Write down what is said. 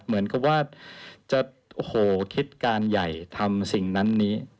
เหมือนกับว่าจะโอ้โหคิดการใหญ่ทำสิ่งนั้นนี้